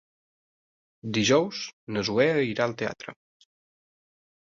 Dijous na Zoè irà al teatre.